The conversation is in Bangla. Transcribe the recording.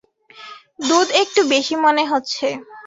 দুধ একটু বেশি মনে হচ্ছে।